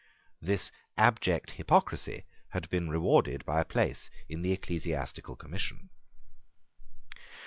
This abject hypocrisy had been rewarded by a place in the Ecclesiastical Commission.